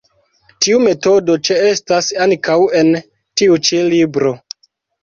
Tiu metodo ĉeestas ankaŭ en tiu ĉi libro.